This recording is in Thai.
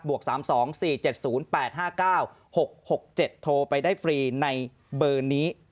วก๓๒๔๗๐๘๕๙๖๖๗โทรไปได้ฟรีในเบอร์นี้